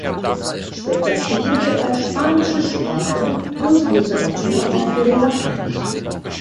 Später studierte er spanische Sprache und Literatur auf Lehramt.